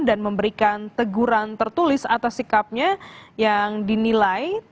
dan memberikan teguran tertulis atas sikapnya yang dinilai